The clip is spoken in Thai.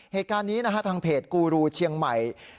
เหตุการณ์นี้นะฮะทางเพจกูรูเชียงใหม่